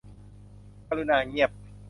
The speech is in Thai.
กรุณาเงียบ